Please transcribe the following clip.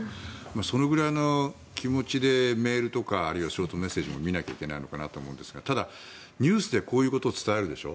そのくらいの気持ちでメールとかあるいはショートメッセージも見なきゃいけないのかなと思うんですがただ、ニュースでこういうことを伝えるでしょ。